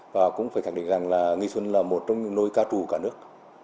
và cũng phải khẳng định rằng là nghi xuân là một trong những nỗi ca chủ cả nước